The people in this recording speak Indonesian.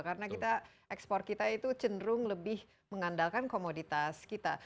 karena ekspor kita itu cenderung lebih mengandalkan komoditas kita